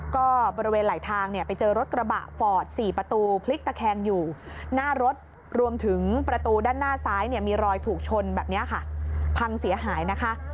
ก็บริเวณไหลทางเนี่ยไปเจอรถกระบะฟอร์ด๔ประตูพลิกตะแคงอยู่หน้ารถรวมถึงประตูด้านหน้าซ้ายเนี่ยมีรอยถูกชนแบบนี้ค่ะพังเสียหายนะคะ